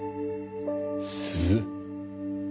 鈴？